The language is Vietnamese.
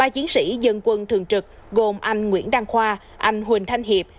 ba chiến sĩ dân quân thường trực gồm anh nguyễn đăng khoa anh huỳnh thanh hiệp